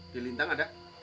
di lintang ada